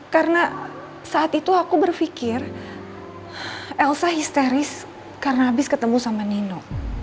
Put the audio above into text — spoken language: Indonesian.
karena saat itu aku berfikir elsa histeris karena abis ketemu sama nino